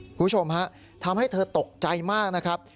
คุณผู้ชมฮะทำให้เธอตกใจมากนะครับ